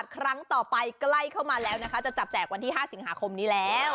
ครั้งต่อไปใกล้เข้ามาแล้วนะคะจะจับแจกวันที่๕สิงหาคมนี้แล้ว